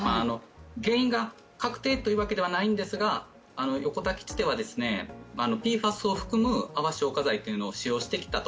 原因が確定というわけではないんですが横田基地ではＰＦＡＳを含むあわ消火剤を使用してきたと。